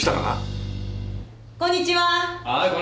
はいこんにちは。